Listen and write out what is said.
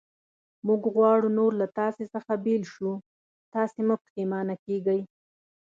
موږ غواړو نور له تاسې څخه بېل شو، تاسې مه پرېشانه کېږئ.